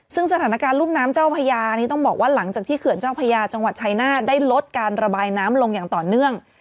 ซึ่งสถานการณ์รุ่มน้ำเจ้าพญานี้ต้องบอกว่าหลังจากที่เขื่อนเจ้าพญาจังหวัดชัยนาธได้ลดการระบายน้ำลงอย่างต่อเนื่อง